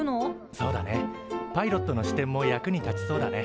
そうだねパイロットの視点も役に立ちそうだね。